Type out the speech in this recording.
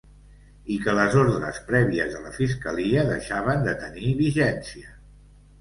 I que les ordres prèvies de la fiscalia ‘deixaven de tenir vigència’.